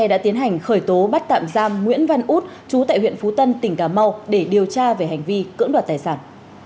đã tiến hành khởi tố bắt tạm giam nguyễn văn út chú tại huyện phú tân tỉnh cà mau để điều tra về hành vi cưỡng đoạt tài sản